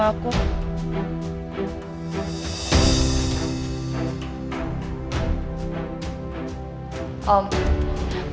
ya aku sama